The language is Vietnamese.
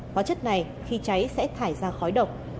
hóa chất này khi cháy sẽ thải ra khói độc